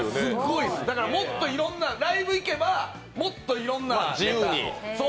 ライブ行けばもっといろんな。